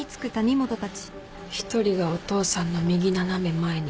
１人がお父さんの右斜め前に。